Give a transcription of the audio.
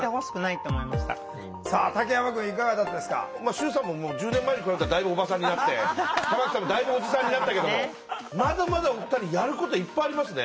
シュウさんも１０年前に比べたらだいぶおばさんになって玉木さんもだいぶおじさんになったけどもまだまだお二人やることいっぱいありますね。